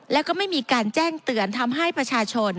แล้วก็ไม่มีการแจ้งเตือนทำให้ประชาชน